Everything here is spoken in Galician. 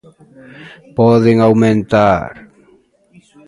Poden aumentar.